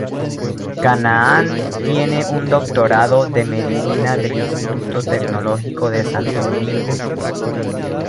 Canaán tiene un Doctorado de Medicina del Instituto Tecnológico de Santo Domingo.